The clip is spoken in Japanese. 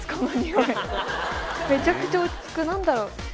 めちゃくちゃ落ち着く何だろう？